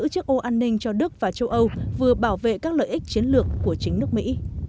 do đức và châu âu vừa bảo vệ các lợi ích chiến lược của chính nước mỹ